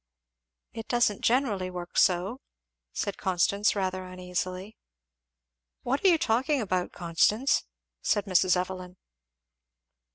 "It don't generally work so," said Constance rather uneasily. "What are you talking about, Constance?" said Mrs. Evelyn.